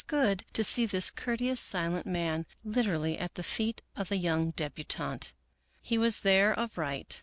d to see this courteous, silent man literally at the feet of the 3 oung debutante. He was there of right.